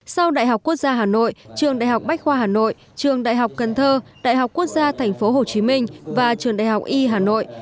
sau đại học quốc gia hà nội trường đại học bách khoa hà nội trường đại học cần thơ đại học quốc gia tp hcm và trường đại học y hà nội